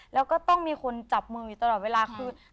แล้วก็ต้องมีคนจับมืออยู่ตลอดเวลาคือ